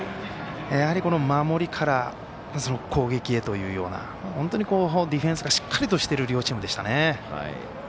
やはり守りから攻撃へというようなディフェンスがしっかりしている両チームでした。